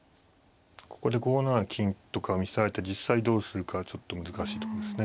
ここで５七金とか見せられて実際どうするかはちょっと難しいとこですね。